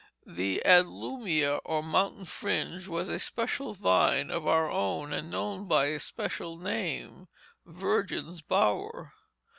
The adlumia, or mountain fringe, was a special vine of our own and known by a special name virgin's bower.